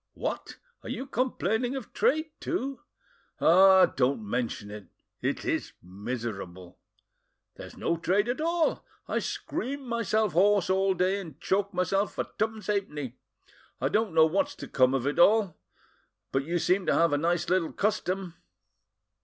"What! are you complaining of trade too?" "Ah! don't mention it; it is miserable!" "There's no trade at all. I scream myself hoarse all day, and choke myself for twopence halfpenny. I don't know what's to come of it all. But you seem to have a nice little custom."